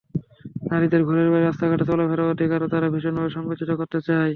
নারীদের ঘরের বাইরে রাস্তাঘাটে চলাফেরার অধিকারও তারা ভীষণভাবে সংকুচিত করতে চায়।